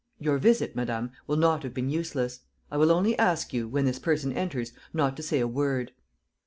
... Your visit, madame, will not have been useless. I will only ask you, when this person enters, not to say a word."